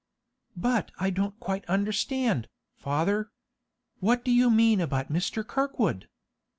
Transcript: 'But I don't quite understand, father. What do you mean about Mr. Kirkwood?